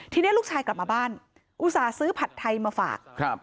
ทีนี้ลูกชายกลับมาบ้านอุตส่าห์ซื้อผัดไทยมาฝากครับ